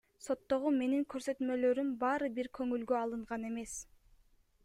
Соттогу менин көрсөтмөлөрүм баары бир көңүлгө алынган эмес.